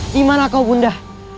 dimana kau bunga